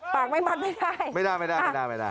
ปากไม่มัดไม่ได้ไม่ได้ไม่ได้ไม่ได้ไม่ได้